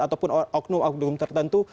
ataupun oknum oknum tertentu